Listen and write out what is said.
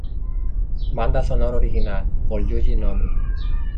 Banda sonora original por Yuji Nomi.